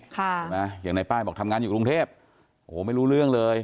ใช่ไหมอย่างในป้ายบอกทำงานอยู่กรุงเทพโอ้โหไม่รู้เรื่องเลย